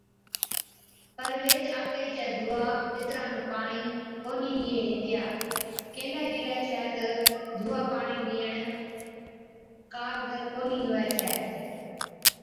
پر ويھِچ آڪھِي چا ڌُوئا پِتران نُون پاڻِي ڪونھِي ڏِيئَي ھِتيا (ڪيهلَي گيلَي ڇَي تہ ڌُوئا پاڻِي ڏِيئڻ ڪارگر ڪونهِي هُوَي ڇَي)